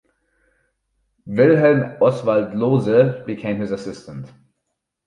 Wilhelm Oswald Lohse became his assistant.